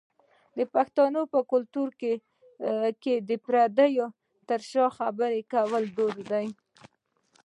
د پښتنو په کلتور کې د پردې تر شا خبری کول دود دی.